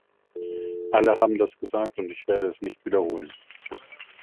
Alle haben das gesagt und ich werde es nicht wiederholen.